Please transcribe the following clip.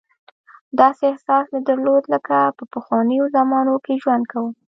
داسې احساس مې درلود لکه په پخوانیو زمانو کې ژوند کوم.